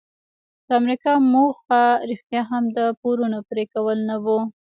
د امریکا موخه رښتیا هم د پورونو پریکول نه وو.